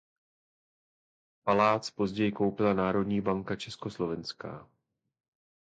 Palác později koupila Národní banka Československá.